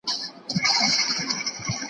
موږ د تېرو وختونو په اړه خبرې وکړې.